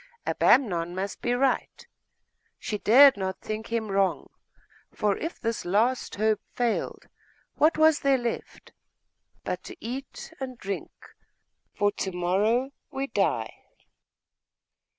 Abamnon must be right.... She dared not think him wrong; for if this last hope failed, what was there left but to eat and drink, for to morrow we die?